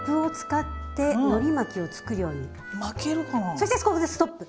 そしてここでストップ！